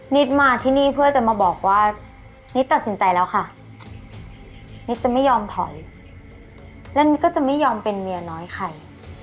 นิดมาที่นี่เพื่อจะมาบอกว่านิดตัดสินใจแล้วค่ะนิดจะไม่ยอมถอยและนิดก็จะไม่ยอมเป็นเมียน้อยใคร